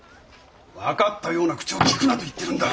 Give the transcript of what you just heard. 分かったような口をきくなと言ってるんだ！